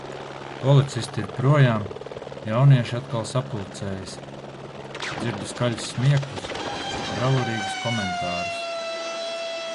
Policisti ir projām, jaunieši atkal sapulcējas. Dzirdu skaļus smieklus, bravūrīgus komentārus.